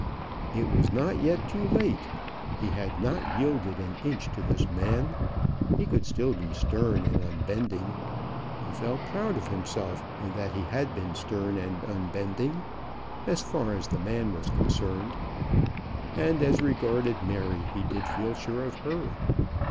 It was not yet too late. He had not yielded an inch to this man. He could still be stern and unbending. He felt proud of himself in that he had been stern and unbending, as far as the man was concerned. And as regarded Mary, he did feel sure of her.